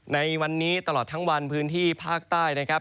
ในวันนี้ตลอดทั้งวันพื้นที่ภาคใต้นะครับ